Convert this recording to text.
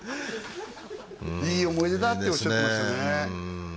「いい思い出だ」っておっしゃってましたね